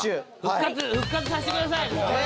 復活させてくださいもう。